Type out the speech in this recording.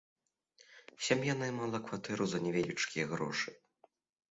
Сям'я наймала кватэру за невялічкія грошы.